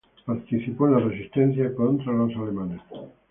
Participó en la Resistencia contra los alemanes.